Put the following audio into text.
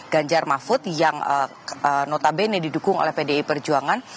ganjar mahfud yang notabene didukung oleh pdi perjuangan